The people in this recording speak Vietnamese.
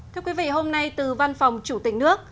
thưa quý vị hôm nay từ văn phòng chủ tịch nước